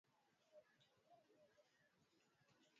Mnyama mweye dalili za kichaaa hushindwa kula na huogopa maji